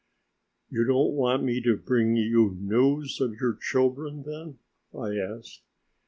"You don't want me to bring you news of your children, then?" I asked.